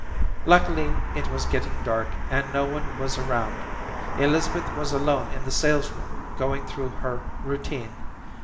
Luckily it was getting dark and no one was around. Elizabeth was alone in the sales room going through her routine.